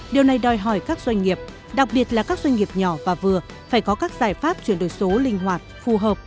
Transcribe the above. điều này đòi hỏi các doanh nghiệp đặc biệt là các doanh nghiệp nhỏ và vừa phải có các giải pháp chuyển đổi số linh hoạt phù hợp